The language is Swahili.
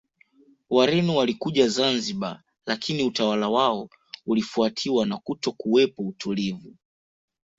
Wareno walikuja Zanzibar lakini utawala wao ulifuatiwa na kutokuwepo utulivu